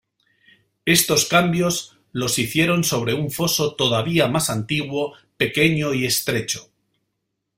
Estos cambios los hicieron sobre un foso todavía más antiguo, pequeño y estrecho.